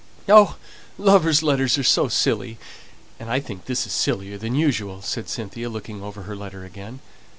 "Oh, lovers' letters are so silly, and I think this is sillier than usual," said Cynthia, looking over her letter again.